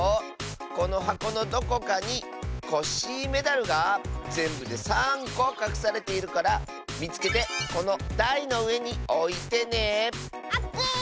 このはこのどこかにコッシーメダルがぜんぶで３こかくされているからみつけてこのだいのうえにおいてね！オッケー！